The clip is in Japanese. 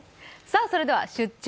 それでは「出張！